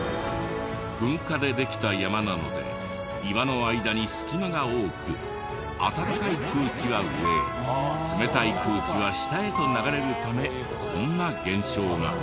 噴火でできた山なので岩の間に隙間が多く温かい空気は上へ冷たい空気は下へと流れるためこんな現象が。